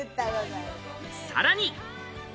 さらに。